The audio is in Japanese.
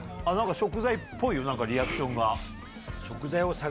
食材っぽいよリアクションが。